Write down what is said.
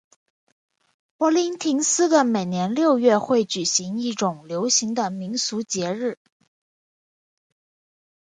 帕林廷斯的每年六月会举行一种流行的民俗节日。